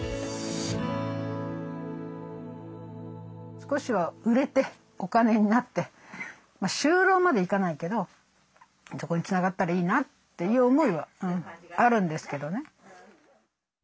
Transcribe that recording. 少しは売れてお金になって就労までいかないけどそこにつながったらいいなという思いはあるんですけどね。